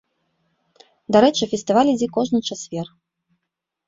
Дарэчы, фестываль ідзе кожны чацвер.